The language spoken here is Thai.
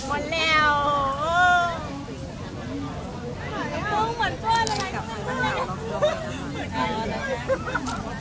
พรุ่งเหมือนช่วยแล้วนะ